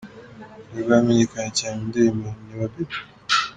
Flavour yamenyekanye cyane mu ndirimbo Nwa Baby.